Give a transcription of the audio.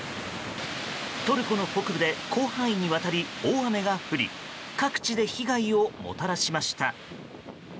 トルコの北部で広範囲にわたり大雨が降り各地で被害をもたらしました。